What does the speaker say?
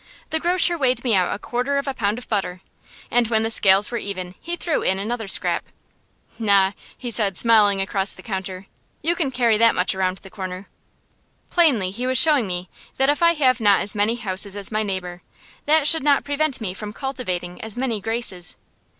The grocer weighed me out a quarter of a pound of butter, and when the scales were even he threw in another scrap. "Na!" he said, smiling across the counter, "you can carry that much around the corner!" Plainly he was showing me that if I have not as many houses as my neighbor, that should not prevent me from cultivating as many graces.